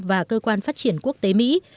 và cơ quan phát triển quốc tế mỹ